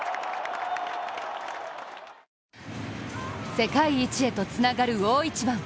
世界一へとつながる大一番。